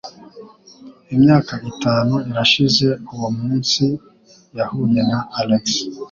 Imyaka itanu irashize uwo munsi yahuye na Alex.